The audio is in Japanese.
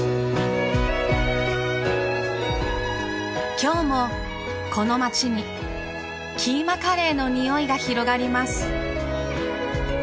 今日もこの街にキーマカレーのにおいが広がります。